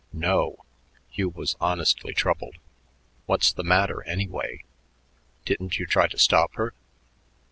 "No!" Hugh was honestly troubled. "What's the matter, anyway? Didn't you try to stop her?"